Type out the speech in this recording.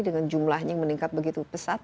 dengan jumlahnya yang meningkat begitu pesat